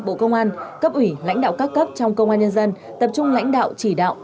bộ công an cấp ủy lãnh đạo các cấp trong công an nhân dân tập trung lãnh đạo chỉ đạo